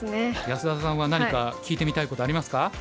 安田さんは何か聞いてみたいことありますか？